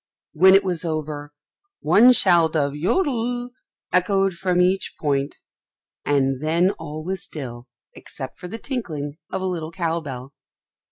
When it was over, one shout of "Jodel" echoed from each point, and then all was still except for the tinkling of a little cow bell.